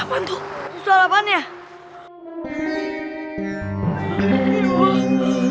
apaan tuh suara apaan tuh